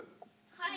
はい！